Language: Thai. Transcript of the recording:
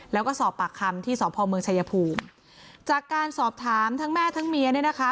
แล้วก็สอบปากคำที่สพเมืองชายภูมิจากการสอบถามทั้งแม่ทั้งเมียเนี่ยนะคะ